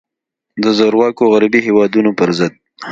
د زورواکو غربي هیوادونو پر ضد.